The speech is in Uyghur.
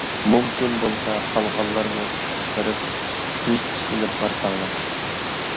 مۇمكىن بولسا قالغانلارمۇ كۈچ چىقىرىپ تۈزىتىش ئېلىپ بارساڭلا!